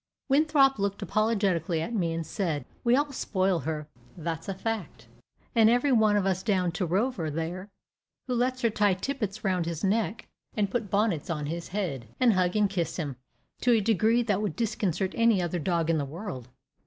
Winthrop looked apologetically at me, and said, "We all spoil her that's a fact every one of us down to Rover, there, who lets her tie tippets round his neck, and put bonnets on his head, and hug and kiss him, to a degree that would disconcert any other dog in the world."